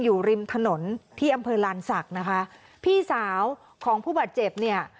อยู่ริมถนนที่อำเภอลานศักดิ์นะคะพี่สาวของผู้บาดเจ็บเนี่ย